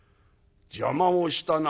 邪魔をしたな」。